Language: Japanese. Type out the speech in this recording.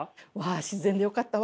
あ自然でよかった。